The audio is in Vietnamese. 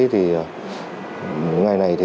thì những ngày này